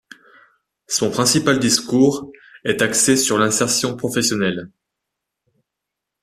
Son principal discours est axé sur l'insertion professionnelle.